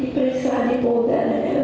diperiksa di pohon tanahnya